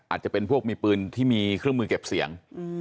อาจจะเป็นพวกมีปืนที่มีเครื่องมือเก็บเสียง